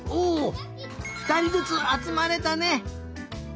ふたりずつあつまれたね！